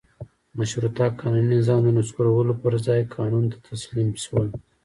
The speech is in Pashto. مشروطه قانوني نظام د نسکورولو پر ځای قانون ته تسلیم شول.